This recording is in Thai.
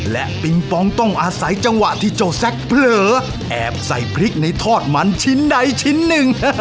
และปิงปองต้องอาศัยจังหวะที่เจ้าแซคเผลอแอบใส่พริกในทอดมันชิ้นใดชิ้นหนึ่ง